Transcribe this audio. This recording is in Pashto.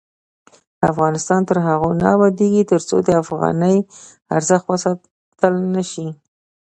افغانستان تر هغو نه ابادیږي، ترڅو د افغانۍ ارزښت وساتل نشي.